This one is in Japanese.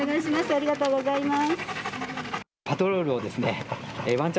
ありがとうございます。